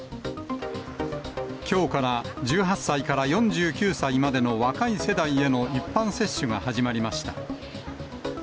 きょうから１８歳から４９歳までの若い世代への一般接種が始まりました。